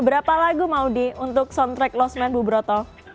berapa lagu maudi untuk soundtrack lost man bu broto